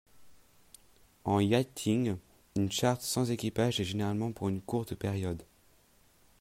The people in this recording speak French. En yachting une charte sans équipage est généralement pour une courte période.